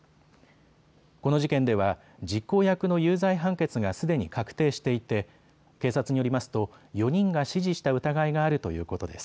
この事件では実行役の有罪判決がすでに確定していて警察によりますと４人が指示した疑いがあるということです。